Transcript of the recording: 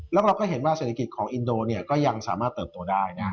แล้วเราก็เห็นว่าเศรษฐกิจของอินโดเนี่ยก็ยังสามารถเติบโตได้นะ